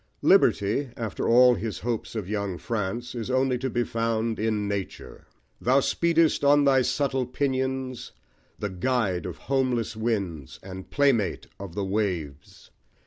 Liberty, after all his hopes of young France, is only to be found in nature: Thou speedest on thy subtle pinions, The guide of homeless winds, and playmate of the waves!